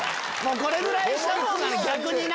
これぐらいした方が逆にな。